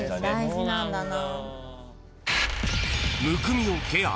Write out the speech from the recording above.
大事なんだな。